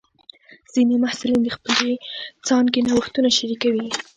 ځینې محصلین د خپلې څانګې نوښتونه شریکوي.